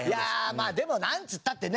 まあでもなんつったってね